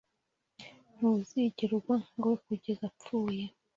ntuzigera ugwa nka We kugeza bapfuye.